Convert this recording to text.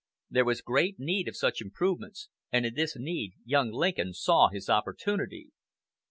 There was great need of such improvements; and in this need young Lincoln saw his opportunity.